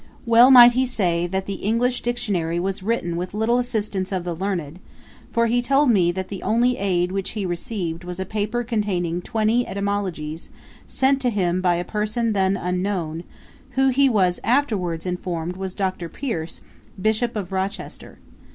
Well might he say, that 'the English Dictionary was written with little assistance of the learned,' for he told me, that the only aid which he received was a paper containing twenty etymologies, sent to him by a person then unknown, who he was afterwards informed was Dr. Pearce, Bishop of Rochester.